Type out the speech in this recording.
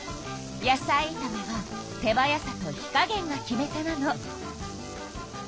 野菜いためは手早さと火加げんが決め手なの。